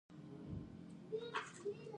بوټونه باید له لمره وساتل شي.